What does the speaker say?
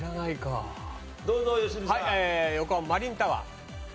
えー横浜マリンタワー。